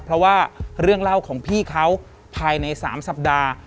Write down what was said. เพราะว่าเรื่องเล่าของพี่เขาภายใน๓สัปดาห์